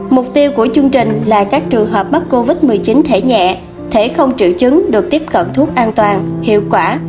mục tiêu của chương trình là các trường hợp mắc covid một mươi chín thẻ nhẹ thể không triệu chứng được tiếp cận thuốc an toàn hiệu quả